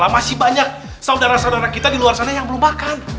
masih banyak saudara saudara kita di luar sana yang belum makan